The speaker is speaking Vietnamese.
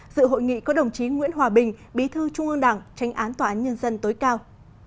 dự hội nghị có đồng chí nguyễn hòa bình bí thư trung ương đảng tránh án tòa án nhân dân tối cao